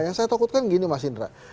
yang saya takutkan gini mas indra